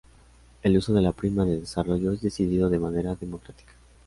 El uso de la prima de desarrollo es decidido de manera democrática.